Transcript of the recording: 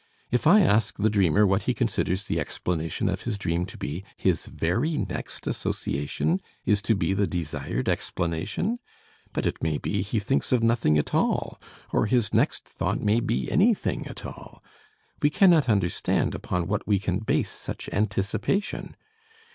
If I ask the dreamer what he considers the explanation of his dream to be, his very next association is to be the desired explanation? But it may be he thinks of nothing at all, or his next thought may be anything at all. We cannot understand upon what we can base such anticipation.